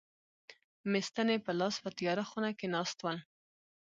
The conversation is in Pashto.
مې ستنې په لاس په تیاره خونه کې ناست ول.